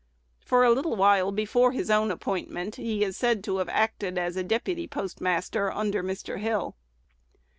For a little while before his own appointment, he is said to have acted as "deputy postmaster" under Mr. Hill.